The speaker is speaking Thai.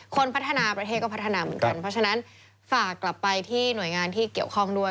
พัฒนาประเทศก็พัฒนาเหมือนกันเพราะฉะนั้นฝากกลับไปที่หน่วยงานที่เกี่ยวข้องด้วย